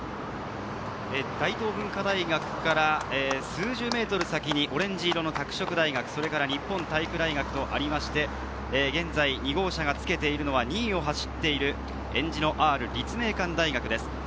大東文化大学から数十メートル先にオレンジ色の拓殖大学、それから日本体育大学とありまして、現在、２号車がつけているのは２位を走っているえんじの「Ｒ」、立命館大学です。